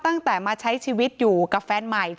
ทั้งครูก็มีค่าแรงรวมกันเดือนละประมาณ๗๐๐๐กว่าบาท